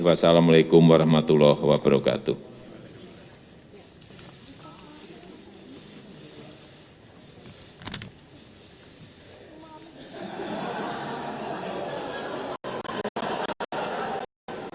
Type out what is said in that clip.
wassalamu'alaikum warahmatullahi wabarakatuh